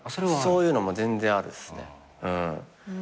そういうのも全然あるっすね。